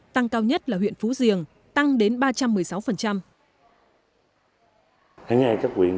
tăng cao nhất là huyện phú giềng tăng đến ba trăm một mươi sáu